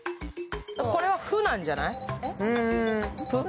これは「ふ」なんじゃない？